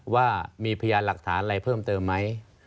ว่ามีพยานหลักฐานอะไรเพิ่มเติมไหม